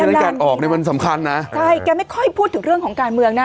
ฉะแกออกเนี่ยมันสำคัญนะใช่แกไม่ค่อยพูดถึงเรื่องของการเมืองนะ